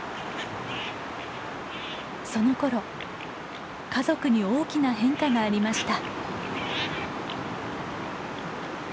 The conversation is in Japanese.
そのころ家族に大きな変化がありました。